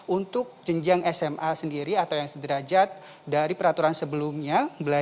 untuk jenjang sma sendiri atau yang sederajat dari peraturan sebelumnya